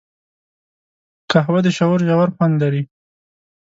قهوه د شعور ژور خوند لري